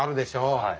はい。